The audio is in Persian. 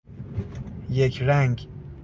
یک رنگ